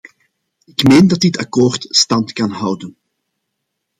Ik meen dat dit akkoord stand kan houden.